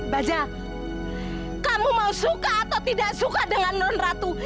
baja kamu mau suka atau tidak suka dengan non ratu